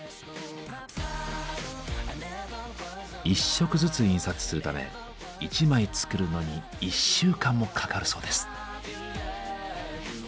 １色ずつ印刷するため１枚作るのに１週間もかかるそうです。